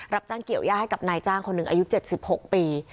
รับจ้างเกี่ยวย่าให้กับนายจ้างคนหนึ่งอายุ๗๖ปี